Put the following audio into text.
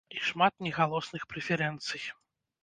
І шмат негалосных прэферэнцый.